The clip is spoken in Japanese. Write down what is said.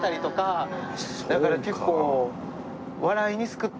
だから結構。